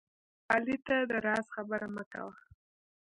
علي ته د راز خبره مه کوه